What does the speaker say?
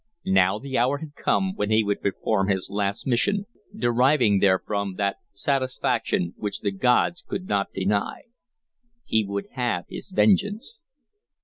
Now the hour had come when he would perform his last mission, deriving therefrom that satisfaction which the gods could not deny. He would have his vengeance.